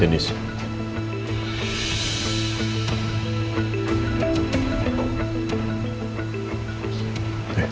ini saya aldebaran